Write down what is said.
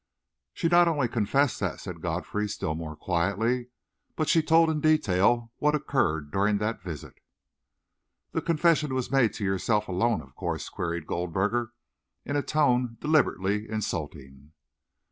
"She not only confessed that," said Godfrey, still more quietly, "but she told in detail what occurred during that visit." "The confession was made to yourself alone, of course?" queried Goldberger, in a tone deliberately insulting.